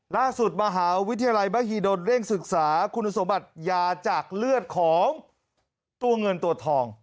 ล่าสุดมหาวิทยาลัยมหิดลเร่งศึกษาคุณสมบัติยาจากเลือดของตัวเงินตัวทอง